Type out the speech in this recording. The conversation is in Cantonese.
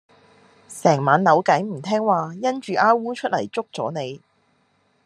成晚扭計唔聽話因住虓䰧出噄捉咗你